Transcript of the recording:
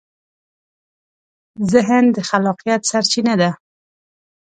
ذهن د خلاقیت سرچینه ده.